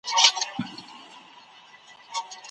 هنري ژبه ستاسو پیغام په زړه پورې کوي.